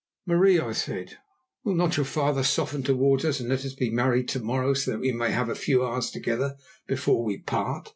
"Marie," I said, "will not your father soften towards us and let us be married to morrow, so that we may have a few hours together before we part?"